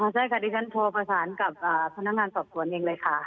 ใช่ค่ะดิฉันโทรประสานกับพนักงานสอบสวนเองเลยค่ะ